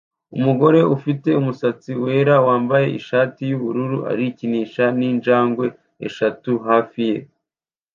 Umugore ufite umusatsi wera wambaye ishati yubururu arikinisha ninjangwe eshatu hafi ye